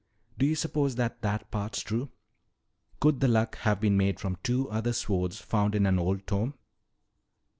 "Do you suppose that that part's true? Could the Luck have been made from two other swords found in an old tomb?"